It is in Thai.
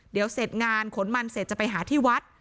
เดี๋ยวเสร็จงานขนมันเสร็จจะไปหาที่วัด